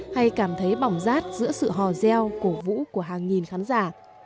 hay cảm thấy bỏng rát giữa sự hò reo cổ vũ của hàng nghìn khán giả